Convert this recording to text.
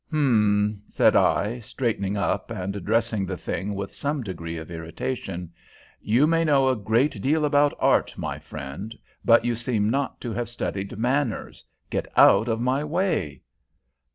"Hum!" said I, straightening up, and addressing the thing with some degree of irritation. "You may know a great deal about art, my friend, but you seem not to have studied manners. Get out of my way."